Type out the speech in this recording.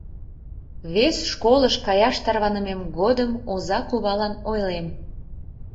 Вес школыш каяш тарванымем годым оза кувалан ойлем: